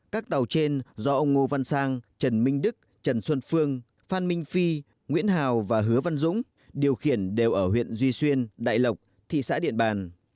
các tàu trên do ông ngô văn sang trần minh đức trần xuân phương phan minh phi nguyễn hào và hứa văn dũng điều khiển đều ở huyện duy xuyên đại lộc thị xã điện bàn